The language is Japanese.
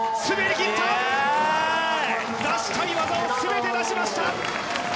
出したい技を全て出し切りました。